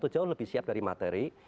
jauh lebih siap dari materi